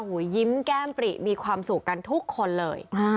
ยิ้มแก้มปริมีความสุขกันทุกคนเลย